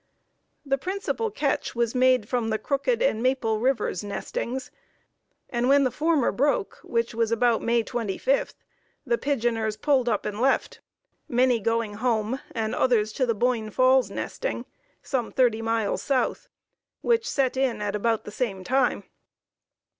The principal catch was made from the Crooked and Maple rivers nestings, and when the former "broke," which was about May 25, the pigeoners pulled up and left, many going home, and others to the Boyne Falls nesting, some thirty miles south, which "set in" at about the same time.